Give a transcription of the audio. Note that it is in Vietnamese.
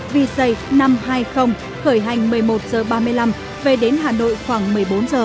vì dày năm hai khởi hành một mươi một h ba mươi năm về đến hà nội khoảng một mươi bốn h